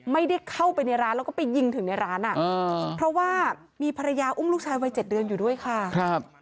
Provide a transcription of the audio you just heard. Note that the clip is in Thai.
ไม่ได้เข้าไปในร้านแล้วก็ไปยิงถึงในร้านอ่ะเพราะว่ามีภรรยาอุ้มลูกชายวัย๗เดือนอยู่ด้วยค่ะครับ